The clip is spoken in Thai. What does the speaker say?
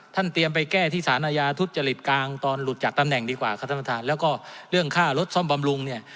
เตรียมไปแก้ที่สารอาญาทุจริตกลางตอนหลุดจากตำแหน่งดีกว่าครับท่านประธานแล้วก็เรื่องค่ารถซ่อมบำรุงเนี่ย